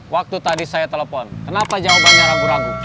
waktu tadi saya telepon kenapa jawabannya ragu ragu